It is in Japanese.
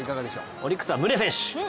オリックスは宗選手。